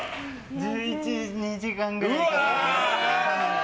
１１１２時間ぐらい。